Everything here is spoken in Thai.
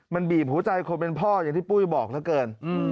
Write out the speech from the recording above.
มันบีบหัวใจคนเป็นพ่ออย่างที่ปุ้ยบอกเหลือเกิน